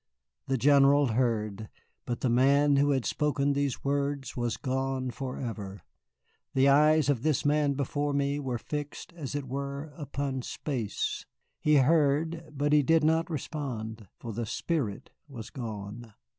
The General heard, but the man who had spoken these words was gone forever. The eyes of this man before me were fixed, as it were, upon space. He heard, but he did not respond; for the spirit was gone.